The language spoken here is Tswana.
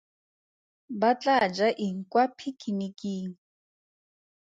Ba tlaa ja eng kwa pikiniking?